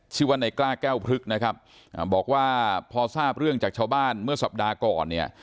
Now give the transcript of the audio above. ชื่อว่าในกล้าแก้วพลึกนะครับบอกว่าพอทราบเรื่องจากชาวบ้านเมื่อสัปดาห์ก่อนเนี่ย